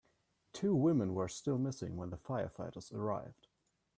Two women were still missing when the firefighters arrived.